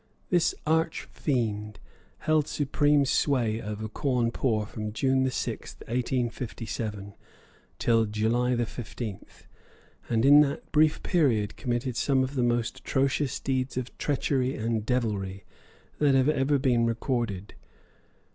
This arch fiend held supreme sway over Cawnpore from June 6, 1857, till July 15th, and in that brief period committed some of the most atrocious deeds of treachery and deviltry that have ever been, recorded.